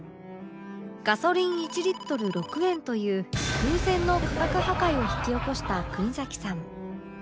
ガソリン１リットル６円という空前の価格破壊を引き起こした国崎さん